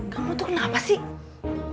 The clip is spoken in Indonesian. kamu tuh kenapa sih